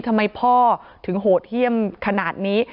ทำไมพ่อถึงโหดเยี่ยมขนาดนี้